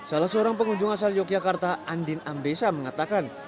salah seorang pengunjung asal yogyakarta andin ambesa mengatakan